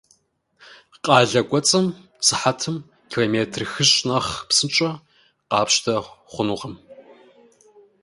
Къалэ кӏуэцӏым сыхьэтым километр хыщӏ нэхъ псынщӏэ къапщтэ хъунукъым.